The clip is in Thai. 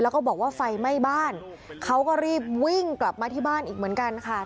แล้วก็บอกว่าไฟไหม้บ้านเขาก็รีบวิ่งกลับมาที่บ้านอีกเหมือนกันค่ะ